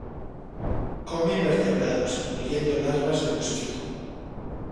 Come invertebrados, incluyendo larvas de mosquito.